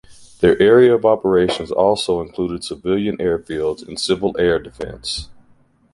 Their area of operations also included civilian airfields and Civil Air Defense.